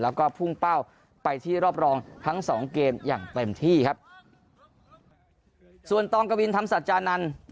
แล้วก็พุ่งเป้าไปที่รอบรองทั้งสองเกมอย่างเต็มที่ครับส่วนตองกวินธรรมสัจจานันทร์